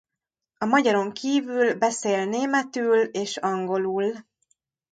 A magyaron kívül beszél németül és angolul.